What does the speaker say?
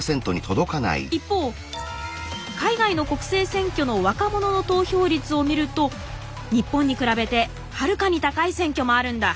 一方海外の国政選挙の若者の投票率を見ると日本に比べてはるかに高い選挙もあるんだ。